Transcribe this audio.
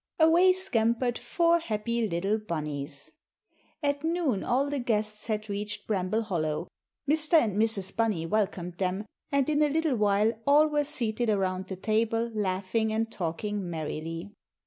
Away scampered four happy little Bunnies. At noon all the guests had reached Bramble Hollow. Mr. and Mrs. Bunny welcomed them, and in a little while all were seated around the table laughing and talking merrily.